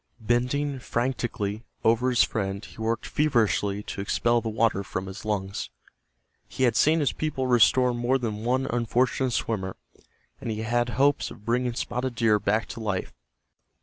Bending frantically over his friend he worked feverishly to expel the water from his lungs. He had seen his people restore more than one unfortunate swimmer, and he had hopes of bringing Spotted Deer back to life.